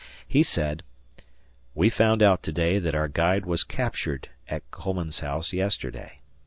He said: We found out to day that our guide was captured at Coleman's house yesterday.